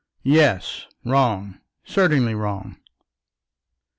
YES; WRONG; CERTAINLY WRONG.